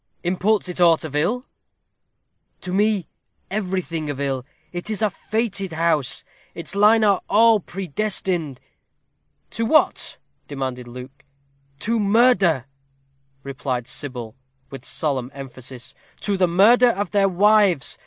"Imports it aught of ill?" "To me, everything of ill. It is a fated house. Its line are all predestined." "To what?" demanded Luke. "To murder!" replied Sybil, with solemn emphasis. "To the murder of their wives.